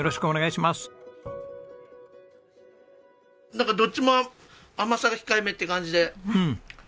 なんかどっちも甘さが控えめって感じでうん。